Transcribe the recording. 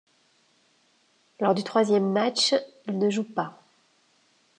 Lors du troisième match, il ne joue pas.